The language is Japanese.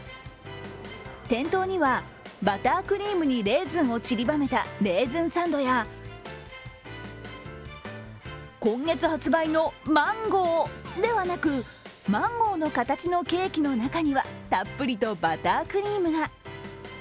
店頭にはバタークリームにレーズンをちりばめたレーズンサンドや、今月発売のマンゴーではなくマンゴーの形のケーキの中にはたっぷりとバタークリームが。